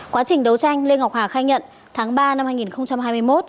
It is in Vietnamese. quá trình đấu tranh lê ngọc hà khai nhận tháng ba năm hai nghìn hai mươi một